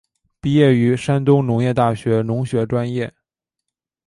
毕业于山东农业大学农学专业。